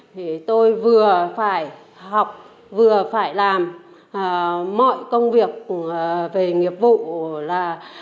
thì tôi vừa phải học vừa phải làm mọi công việc về nghiệp vụ là